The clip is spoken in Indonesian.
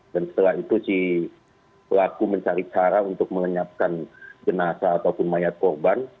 dan setelah itu si pelaku mencari cara untuk melenyapkan jenasa ataupun mayat korban